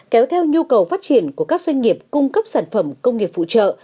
kéo theo nhu cầu phát triển của các doanh nghiệp cung cấp sản phẩm công nghiệp phụ trợ